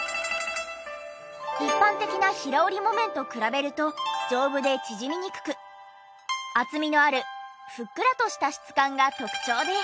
一般的な平織り木綿と比べると丈夫で縮みにくく厚みのあるふっくらとした質感が特徴で。